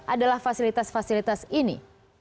adalah fasilitas fasilitas ini